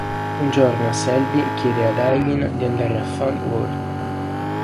Un giorno Selby chiede ad Aileen di andare a Fun World.